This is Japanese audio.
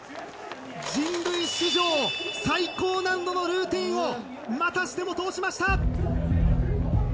人類史上最高難度のルーティンをまたしても通しました。